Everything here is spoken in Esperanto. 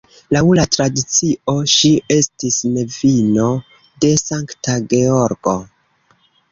Laŭ la tradicio ŝi estis nevino de Sankta Georgo.